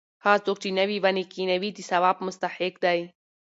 هغه څوک چې نوې ونې کښېنوي د ثواب مستحق دی.